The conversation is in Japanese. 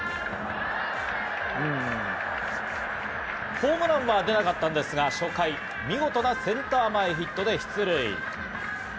ホームランは出なかったんですが、初回、見事なセンター前ヒットで出塁。